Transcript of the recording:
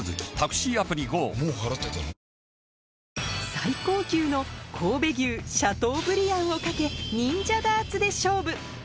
最高級の神戸牛シャトーブリアンを懸けニンジャダーツで勝負！